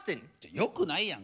よくないやん。